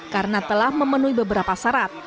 karena telah memenuhi beberapa syarat